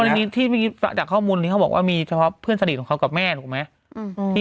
อันนี้ที่เมื่อกี้จากข้อมูลนี้เขาบอกว่ามีเฉพาะเพื่อนสนิทของเขากับแม่ถูกไหม